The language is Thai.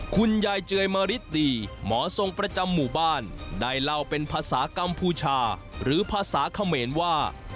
คุณยายเจยมริตดีหมอทรงประจำหมู่บ้านได้เล่าเป็นภาษากัมพูชาหรือภาษาเขมรว่า